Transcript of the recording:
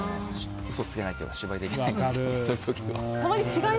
嘘をつけないというか芝居できない。